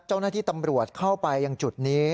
เจ้าหน้าที่ตำรวจเข้าไปยังจุดนี้